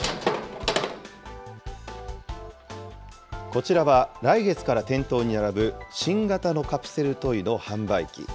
こちらは来月から店頭に並ぶ新型のカプセルトイの販売機。